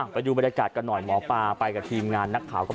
ไปดูบรรยากาศกันหน่อยหมอปลาไปกับทีมงานนักข่าวก็